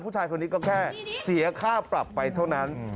ผู้ชายคนนี้ก็แค่เสียค่าปรับไปเท่านั้น